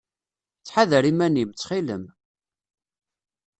Ttḥadar iman-im, ttxil-m!